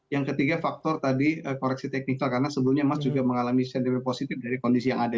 yang ketiga faktor tadi koreksi teknikal karena sebelumnya emas juga mengalami sentimen positif dari kondisi yang ada